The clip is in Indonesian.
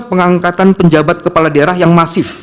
ada pengangkatan penyelenggaraan kepala daerah yang massif